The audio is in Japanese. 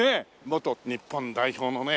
元日本代表のね